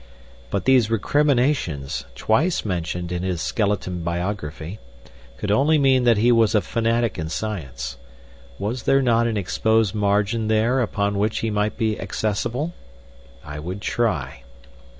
But these recriminations, twice mentioned in his skeleton biography, could only mean that he was a fanatic in science. Was there not an exposed margin there upon which he might be accessible? I would try.